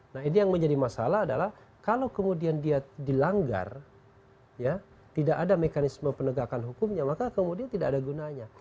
nah ini yang menjadi masalah adalah kalau kemudian dia dilanggar tidak ada mekanisme penegakan hukumnya maka kemudian tidak ada gunanya